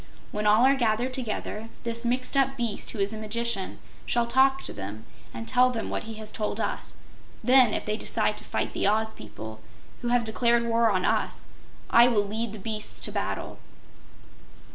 When all are gathered together, this mixed up Beast who is a magician shall talk to them and tell them what he has told us. Then, if they decide to fight the Oz people, who have declared war on us, I will lead the beasts to battle."